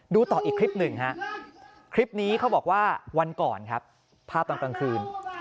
ต่ออีกคลิปหนึ่งฮะคลิปนี้เขาบอกว่าวันก่อนครับภาพตอนกลางคืน